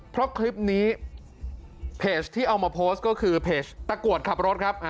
เพราะคลิปนี้เพจที่เอามาโพสต์ก็คือเพจตะกรวดขับรถครับ